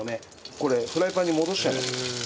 これフライパンに戻しちゃいます。